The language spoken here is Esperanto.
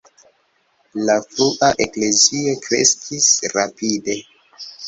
La frua Eklezio kreskis rapide.